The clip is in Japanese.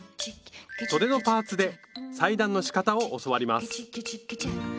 そでのパーツで裁断のしかたを教わります